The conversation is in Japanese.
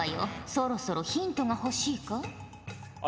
そろそろヒントが欲しいか？